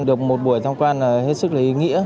được một buổi tham quan hết sức là ý nghĩa